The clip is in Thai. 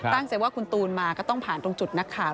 ตั้งใจว่าคุณตูนมาก็ต้องผ่านตรงจุดนักข่าว